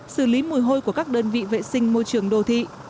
xử lý mùi hôi của các đơn vị vệ sinh môi trường đô thị